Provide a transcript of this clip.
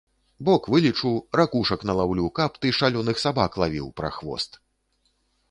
Бок вылечу, ракушак налаўлю, каб ты шалёных сабак лавіў, прахвост.